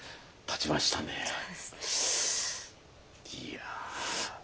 いや。